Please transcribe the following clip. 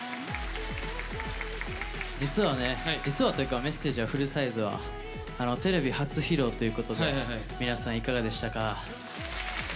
実はね、実はというか「Ｍｅｓｓａｇｅ」はフルサイズはテレビ初披露ということで皆さんいかがでしたか？